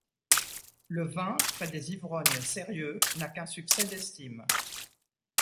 Le vin, près des ivrognes sérieux, n’a qu’un succès d’estime.